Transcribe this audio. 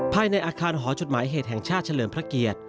ภายในอาคารหอจดหมายเหตุแห่งชาติเฉลิมพระเกียรติ